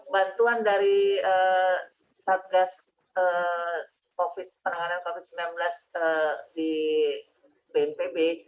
bantuan dari satgas penanganan covid sembilan belas di bnpb